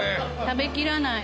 食べきらない。